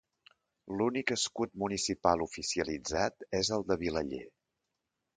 L'únic escut municipal oficialitzat és el de Vilaller.